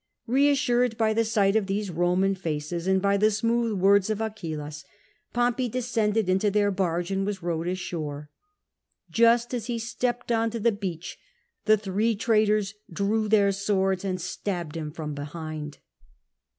Reassured by the sight of these Roman faces, and by the smooth words of Achillas, Pompey descended into their barge and was rowed ashore. Just as he stepped on to the beach, the three ti'aitors drew their swords and stabbed him from behind.